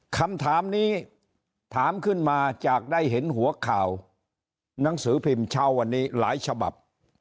คำถามนี้ถามขึ้นมาจากได้เห็นหัวข่าวหนังสือพิมพ์เช้าวันนี้หลายฉบับ